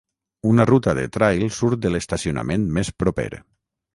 Una ruta de trail surt de l'estacionament més proper.